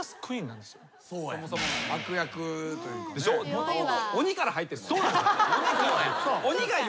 もともと鬼から入ってるもんな。